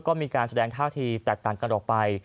ก็มีการแสดงท่าทีแตกต่างกันออกไป